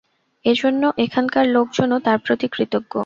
এজন্য এখানকার লোকজনও তার প্রতি কৃতজ্ঞ।